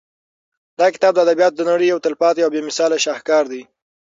دا کتاب د ادبیاتو د نړۍ یو تلپاتې او بې مثاله شاهکار دی.